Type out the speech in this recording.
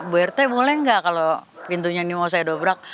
bu rt boleh nggak kalau pintunya ini mau saya dobrak